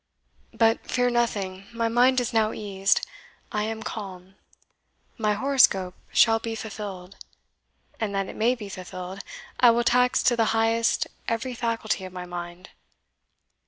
But fear nothing, my mind is now eased I am calm. My horoscope shall be fulfilled; and that it may be fulfilled, I will tax to the highest every faculty of my mind.